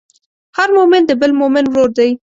هر مؤمن د بل مؤمن ورور دی.